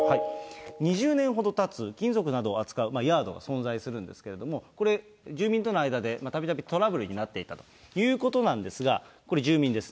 ２０年ほどたつ、金属などを扱うヤードが存在するんですけれども、これ、住民との間でたびたびトラブルになっていたということなんですが、これ、住民です。